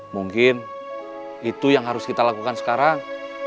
mungkin itu yang harus kita lakukan sekarang